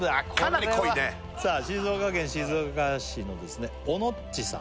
かなり濃いね静岡県静岡市のおのっちさん